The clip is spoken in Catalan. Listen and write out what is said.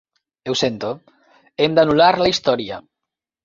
Ho sento, hem d'anul·lar la història.